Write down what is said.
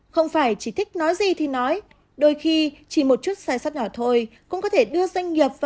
không phải chỉ thích nói gì thì nói đôi khi chỉ một chút sai sát nhỏ thôi cũng có thể đưa doanh nghiệp vào bờ vực của khủng hoảng truyền thông cao độ